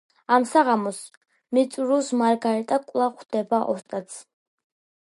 ამ საღამოს მიწურულს მარგარიტა კვლავ ხვდება ოსტატს.